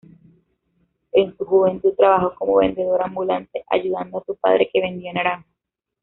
En su juventud trabajó como vendedor ambulante, ayudando a su padre que vendía naranjas.